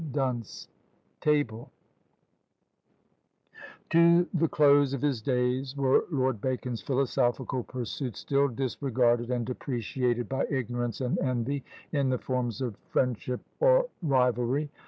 Dunce table.] To the close of his days were Lord Bacon's philosophical pursuits still disregarded and depreciated by ignorance and envy, in the forms of friendship or rivality.